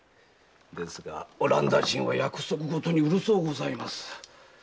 ですがオランダ人は約束事にうるそうございます。